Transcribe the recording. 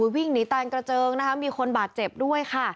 วิ่งหนีตายกระเจิงนะคะมีคนบาดเจ็บด้วยค่ะ